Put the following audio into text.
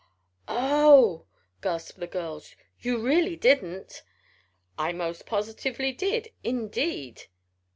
"Oh!" gasped the girls. "You really didn't." "I most positively did. Indeed!"